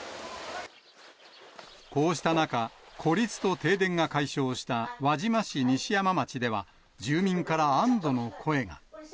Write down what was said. こうした中、孤立と停電が解消した輪島市西山町では、住民から安どの声が。